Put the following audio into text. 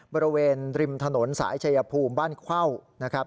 บริเวณริมถนนสายชายภูมิบ้านเข้านะครับ